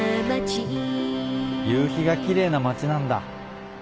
「夕日がきれいな街」なんだ。